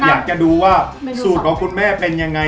อยากจะดูว่าสูตรของคุณแม่เป็นยังไง